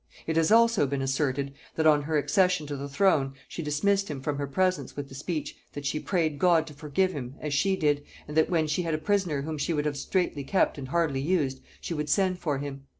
It has also been asserted, that on her accession to the throne she dismissed him from her presence with the speech, that she prayed God to forgive him, as she did, and that when she had a prisoner whom she would have straitly kept and hardly used, she would send for him.